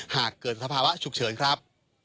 หากเกิดสภาวะฉุกเฉินครับ